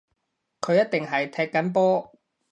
佢一定係踢緊波